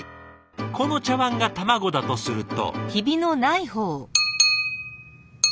この茶わんが卵だとすると。